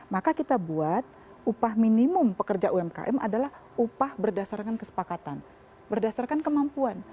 maka kita buat upah minimum pekerja umkm adalah upah berdasarkan kesepakatan berdasarkan kemampuan